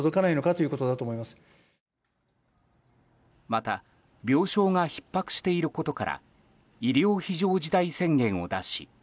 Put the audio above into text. また、病床がひっ迫していることから医療非常事態宣言を出し